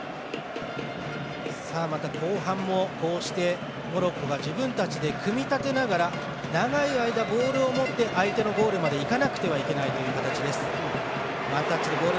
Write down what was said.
後半もこうしてモロッコが自分たちで組み立てながら長い間ボールを持って相手のゴールに行かなくてはいけないという形です。